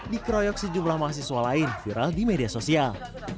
dikeroyok sejumlah mahasiswa lain viral di media sosial